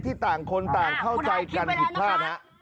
ต่างคนต่างเข้าใจกันผิดพลาดฮะ